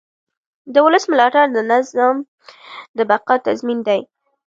د ولس ملاتړ د نظام د بقا تضمین دی